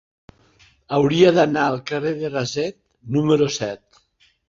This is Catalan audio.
Hauria d'anar al carrer de Raset número set.